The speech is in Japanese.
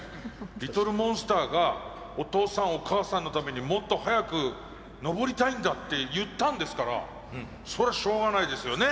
りとるもんすたーがお父さんお母さんのためにもっと速く登りたいんだって言ったんですからそれはしょうがないですよね。